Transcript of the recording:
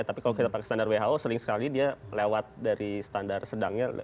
tapi kalau kita pakai standar who sering sekali dia lewat dari standar sedangnya